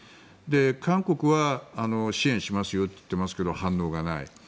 韓国は支援しますよと言っていますが、反応がない。